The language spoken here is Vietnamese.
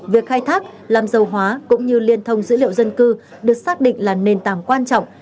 việc khai thác làm dầu hóa cũng như liên thông dữ liệu dân cư được xác định là nền tảng quan trọng